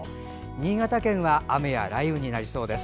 新潟県は雨や雷雨になりそうです。